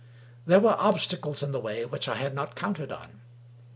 There were obstacles in the way which I had not counted on.